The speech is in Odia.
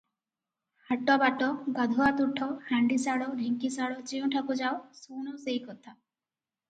ହାଟ-ବାଟ, ଗାଧୁଆ ତୁଠ, ହାଣ୍ତିଶାଳ, ଢ଼େଙ୍କିଶାଳ, ଯେଉଁଠାକୁ ଯାଅ, ଶୁଣ ସେହି କଥା ।